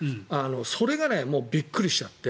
それがびっくりしちゃって。